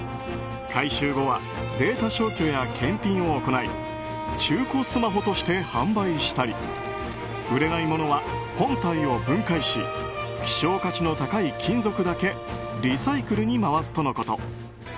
回収後はデータ消去や検品を行い中古スマホとして販売したり売れないものは本体を分解し希少価値の高い金属だけリサイクルに回すとのこと。